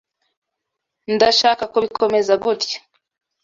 Ndashaka kubikomeza gutya.